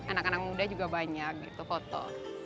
anak anak muda juga banyak gitu foto